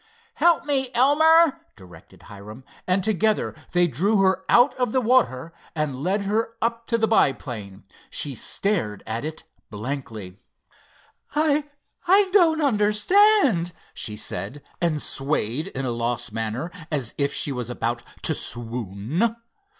"Help me, Elmer," directed Hiram, and together they drew her out of the water and led her up to the biplane. She stared at it blankly. "I—I don't understand," she said, and swayed in a lost manner, as if she was about to swoon.